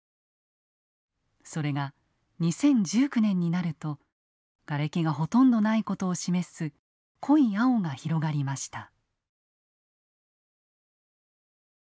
それが２０１９年になるとガレキがほとんどないことを示す濃い青が広がりました。